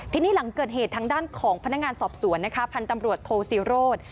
ทีนี้หลังเกิดเหตุทางด้านของพนักงานสอบสวนนะคะพันธ์ตำรวจโทศิโรธ